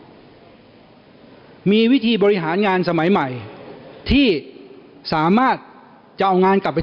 ที่มีวิธีบริหารงานสมัยใหม่ที่สามารถจะเอางานกลับไป